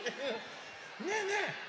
ねえねえ